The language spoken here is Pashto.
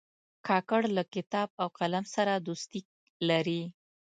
کاکړ له کتاب او قلم سره دوستي لري.